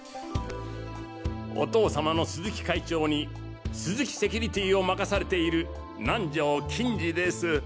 お父様の鈴木会長に鈴木セキュリティーを任されている南條欽治です。